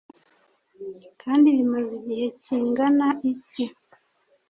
Kandi bimaze igihe kingana iki?